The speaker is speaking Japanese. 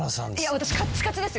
私カッチカチですよ。